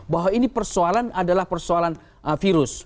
bahwa ini persoalan adalah persoalan virus